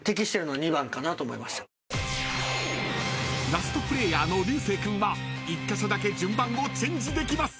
［ラストプレーヤーの流星君は１カ所だけ順番をチェンジできます］